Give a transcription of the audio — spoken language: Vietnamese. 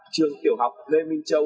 trường tiểu học lê minh trọng